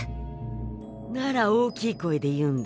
なら大きい声で言うんだ。